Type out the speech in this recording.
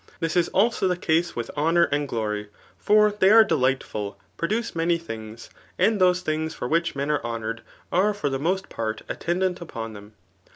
This is also the case with honour and glory ; for they are delightful, produce many things, and those things for which men are honoured, are for the most part attend^ ant upon them.